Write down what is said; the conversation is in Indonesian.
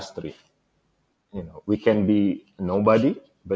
kita bisa menjadi orang yang tidak ada